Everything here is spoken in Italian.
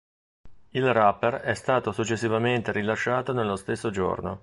Il rapper è stato successivamente rilasciato nello stesso giorno.